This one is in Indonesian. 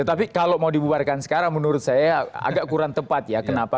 tapi kalau mau dibubarkan sekarang menurut saya agak kurang tepat ya kenapa